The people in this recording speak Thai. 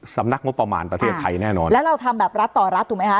สำนักงบประมาณประเทศไทยแน่นอนแล้วเราทำแบบรัฐต่อรัฐถูกไหมคะ